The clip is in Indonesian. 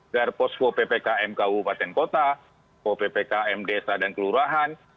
agar osko ppkm ku bsa dan kelurahan